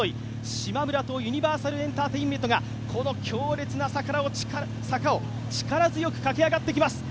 しまむらとユニバーサルエンターテインメントが強烈な坂を力強く駆け上がってきます。